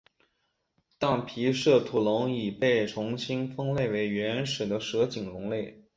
但皮氏吐龙已被重新分类为原始的蛇颈龙类。